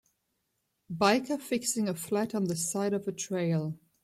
Biker fixing a flat on the side of a trail.